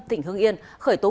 tỉnh hương yên khởi tố